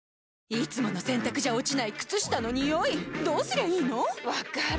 いつもの洗たくじゃ落ちない靴下のニオイどうすりゃいいの⁉分かる。